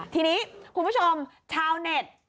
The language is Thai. ทีนี้คุณผู้ชมชาวเน็ต